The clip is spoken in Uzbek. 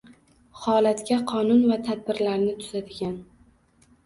Holatga qonun va tartiblarni tuzadigan